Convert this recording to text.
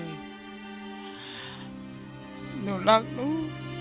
หนูรักหนู